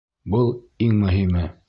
Был — иң мөһиме!